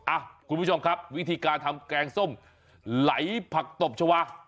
อ่ะคุณผู้ชมครับวิธีการทำแกงส้มไหลผักตบชาวา